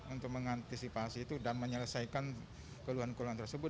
untuk mengantisipasi itu dan menyelesaikan keluhan keluhan tersebut